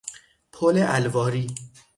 پل الواری